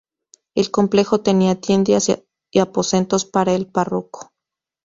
El complejo tenía tiendas y aposentos para el párroco.